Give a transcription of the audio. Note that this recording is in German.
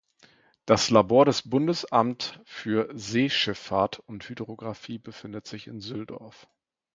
Das Labor des Bundesamt für Seeschifffahrt und Hydrographie befindet sich in Sülldorf.